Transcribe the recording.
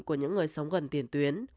của những người sống gần tiền tuyến